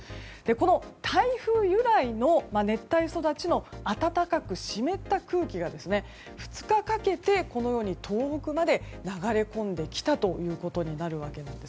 この台風由来の熱帯育ちの暖かく湿った空気が２日かけてこのように東北まで流れ込んできたということです。